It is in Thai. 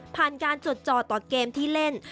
ผ่านการจดจ่อต่อเกมที่เล่น